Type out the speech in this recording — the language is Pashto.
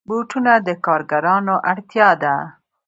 بوټونه د کارګرانو اړتیا ده.